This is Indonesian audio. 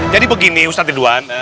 jadi begini ustaz ridwan